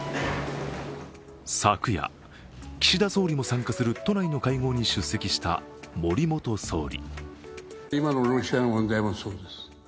昨夜、岸田総理も参加する都内の会合に出席した森元総理。